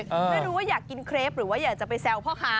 ไม่รู้ว่าอยากกินเครปหรือว่าอยากจะไปแซวพ่อค้า